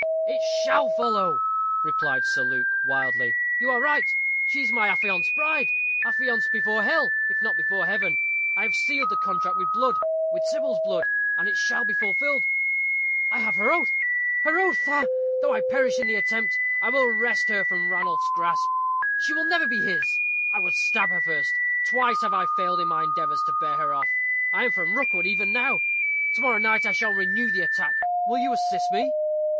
"It shall follow," replied Sir Luke, wildly. "You are right. She is my affianced bride affianced before hell, if not before heaven. I have sealed the contract with blood with Sybil's blood and it shall be fulfilled. I have her oath her oath ha, ha! Though I perish in the attempt, I will wrest her from Ranulph's grasp. She shall never be his. I would stab her first. Twice have I failed in my endeavors to bear her off. I am from Rookwood even now. To morrow night I shall renew the attack. Will you assist me?"